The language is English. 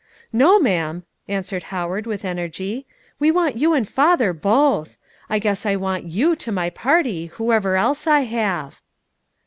"No, ma'am," answered Howard, with energy; "we want you and father both. I guess I want you to my party, whoever else I have."